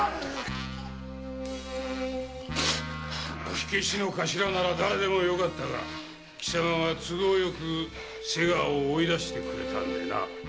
火消しの頭なら誰でもよかったが貴様が都合よく瀬川を追い出してくれたんでな。